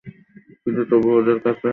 কিন্তু তবু ওদের কাছে তোমার নিন্দে করি।